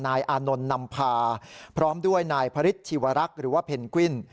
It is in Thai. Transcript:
อานนท์นำพาพร้อมด้วยนายพระฤทธิวรักษ์หรือว่าเพนกวิน